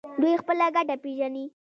دوی خپله ګټه پیژني.